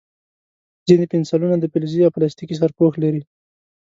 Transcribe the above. ځینې پنسلونه د فلزي یا پلاستیکي سرپوښ لري.